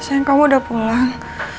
sayang kamu udah pulang